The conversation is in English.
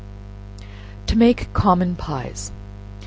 To Make Common Pies.